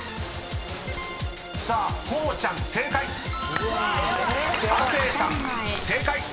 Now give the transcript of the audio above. ［さあこうちゃん正解！］